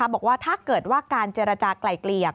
บอกว่าถ้าเกิดว่าการเจรจากลายเกลี่ย